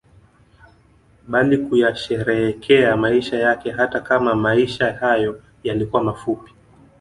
Bali kuyasherehekea maisha yake hata kama maisha hayo yalikuwa mafupi